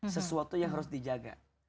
sesuatu yang harus dijaga